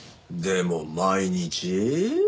でも毎日？